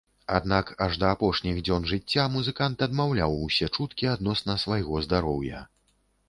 Аднак аж да апошніх дзён жыцця музыкант адмаўляў усе чуткі адносна свайго здароўя.